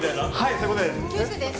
そういうことです。